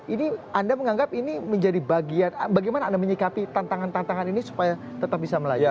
ini anda menganggap ini menjadi bagian bagaimana anda menyikapi tantangan tantangan ini supaya tetap bisa melaju